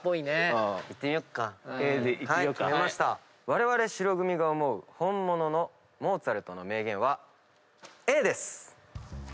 われわれ白組が思う本物のモーツァルトの名言はＡです。